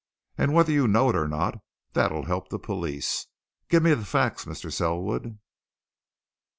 And whether you know it or not, that'll help the police. Give me the facts, Mr. Selwood!"